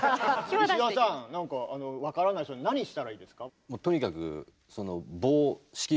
石田さんなんか分からないそうで何したらいいですか？